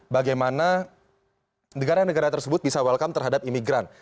bagaimana negara negara tersebut bisa welcome terhadap imigran